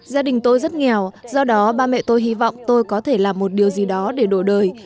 gia đình tôi rất nghèo do đó ba mẹ tôi hy vọng tôi có thể làm một điều gì đó để đổi đời